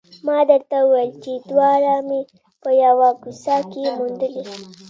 ما درته وویل چې دواړه مې په یوه کوڅه کې موندلي